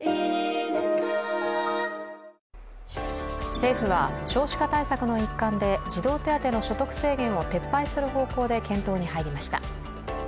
政府は少子化対策の一環で児童手当の所得制限を撤廃する方向で検討に入りました。